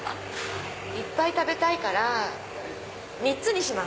いっぱい食べたいから３つにします。